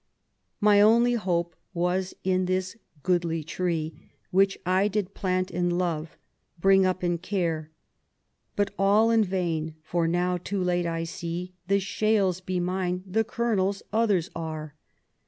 My only hope was in this goodly tree. Which I did plant in love, bring up in care ; But all in vain, for now, too late, I see The shales be mine, the kernels others are.